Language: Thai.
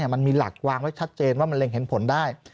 มันมีหลักวางไว้ชัดเจนว่ามันเร็งเห็นผลได้